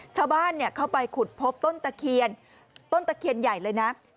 ชาวบ้านเข้าไปขุดพบต้นตะเคียนต้นตะเคียนใหญ่เลยนะ